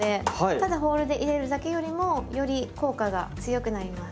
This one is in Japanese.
ただホールで入れるだけよりもより効果が強くなります。